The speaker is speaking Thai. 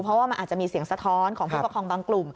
เพราะว่ามันอาจจะมีเสียงสะท้อนของผู้ปกครองบางกลุ่ม